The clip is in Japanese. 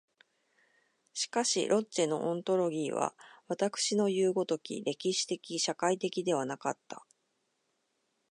しかしロッチェのオントロギーは私のいう如き歴史的社会的ではなかった。